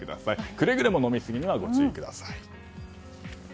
くれぐれも飲みすぎにはご注意ください。